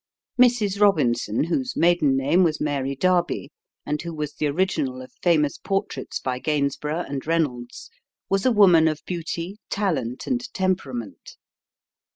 Mrs. Robinson, whose maiden name was Mary Darby, and who was the original of famous portraits by Gainsborough and Reynolds, was a woman of beauty, talent, and temperament.